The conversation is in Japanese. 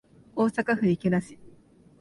大阪府池田市